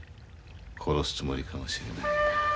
殺すつもりかもしれない。